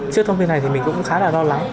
trước thông tin này thì mình cũng khá là lo lắng